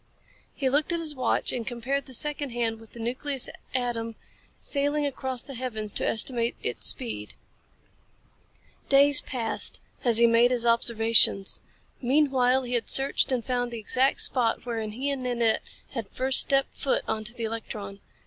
He looked at his watch and compared the second hand with the nucleus atom sailing across the heavens to estimate its speed. Days passed as he made his observations. Meanwhile he had searched and found the exact spot wherein he and Nanette had first stepped foot onto the electron.